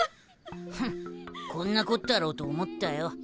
フンこんなこったろうと思ったよ。